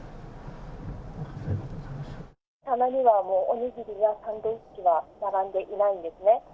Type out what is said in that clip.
棚にはもう、お握りやサンドイッチが並んでいないんですね。